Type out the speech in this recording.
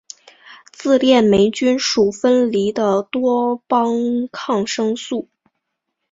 自链霉菌属分离的多肽抗生素。